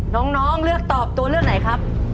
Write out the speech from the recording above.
น้องเลือกตอบตัวเลือกไหนครับ